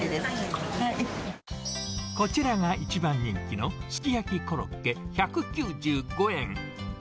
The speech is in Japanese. こちらが一番人気のすき焼きコロッケ１９５円。